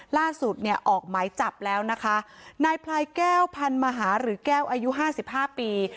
ล่าสุดเนี่ยออกหมายจับแล้วนะคะนายพลายแก้วพันมหาหรือแก้วอายุห้าสิบห้าปี